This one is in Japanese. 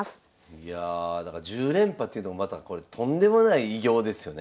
いやだから１０連覇っていうのもまたこれとんでもない偉業ですよね。